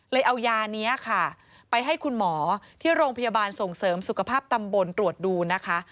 เอายานี้ค่ะไปให้คุณหมอที่โรงพยาบาลส่งเสริมสุขภาพตำบลตรวจดูนะคะ